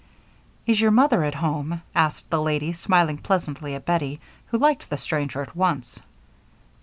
"Is your mother at home?" asked the lady, smiling pleasantly at Bettie, who liked the stranger at once.